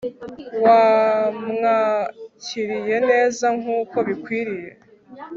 wamwakiriye neza nkuko bikwiriye